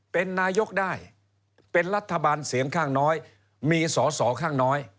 เป็นนายกได้เป็นรัฐบาลเสียงข้างน้อยมีสอสอข้างน้อย